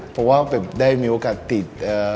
เพราะได้มีโอกาสตีด